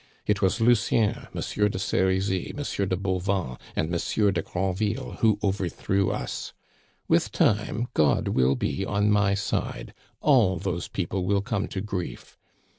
"It was Lucien, Monsieur de Serizy, Monsieur de Bauvan, and Monsieur de Granville who overthrew us. With time God will be on my side; all those people will come to grief.